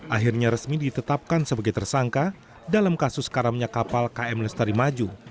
akhirnya resmi ditetapkan sebagai tersangka dalam kasus karamnya kapal km lestari maju